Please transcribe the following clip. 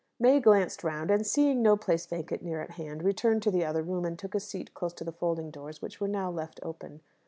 May glanced round, and seeing no place vacant near at hand, returned to the other room, and took a seat close to the folding doors, which were now left open.